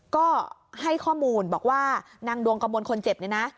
ก็ให้ข้อมูลบอกว่านางดวงกระมวลคนเจ็บเนี่ยนะ